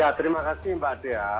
ya terima kasih mbak dea